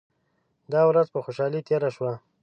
دا ورځ په خوشالۍ تیره شوه.